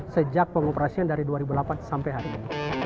sejak pengoperasian dari dua ribu delapan sampai hari ini